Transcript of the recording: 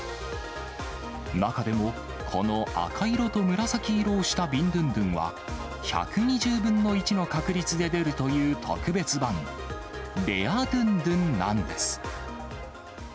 中でも、この赤色と紫色をしたビンドゥンドゥンは、１２０分の１の確率で出るという特別版、レアドゥンドゥンなんです。